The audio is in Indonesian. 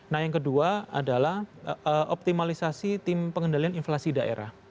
nah yang kedua adalah optimalisasi tim pengendalian inflasi daerah